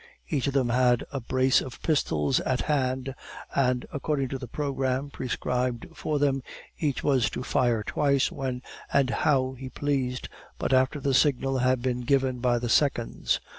Each of them had a brace of pistols at hand, and, according to the programme prescribed for them, each was to fire twice when and how he pleased, but after the signal had been given by the seconds.